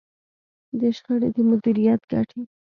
د شخړې د مديريت ګټې.